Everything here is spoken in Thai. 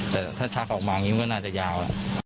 แต่ถ้าชักออกมามันก็น่าจะยาว